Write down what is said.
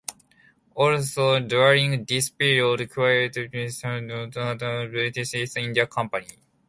Also during this period, Kuwait established relations with the British East India Company.